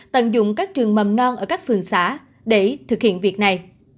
tận dụng các trường mầm non ở các phường xã để thực hiện việc này